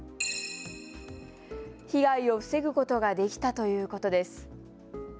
被害を防ぐことができたということです。